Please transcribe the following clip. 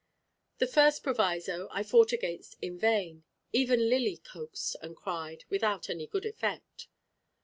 The first proviso I fought against in vain. Even Lily coaxed and cried, without any good effect.